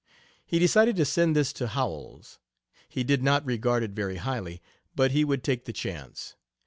He decided to send this to Howells. He did not regard it very highly, but he would take the chance.